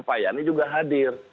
pak yani juga hadir